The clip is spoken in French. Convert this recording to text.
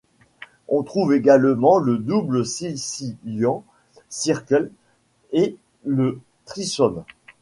On trouve également le Double Sicilian Circle et le Threesome.